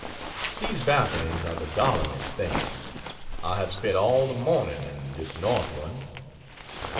These balconies are the darlingest things. I have spent all the morning in this north one.